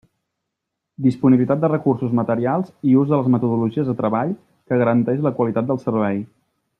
Disponibilitat de recursos materials i ús de les metodologies de treball que garanteix la qualitat del servei.